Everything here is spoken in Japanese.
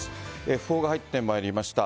訃報が入ってまいりました。